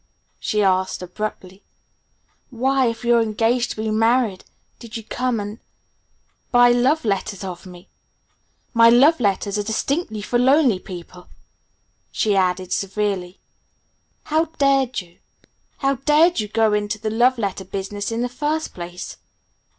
she asked abruptly, "why, if you're engaged to be married, did you come and buy love letters of me? My love letters are distinctly for lonely people," she added severely. "How dared you How dared you go into the love letter business in the first place?"